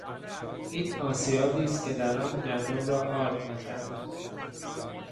این آسیابی است که در آن گندم را آرد میکردند.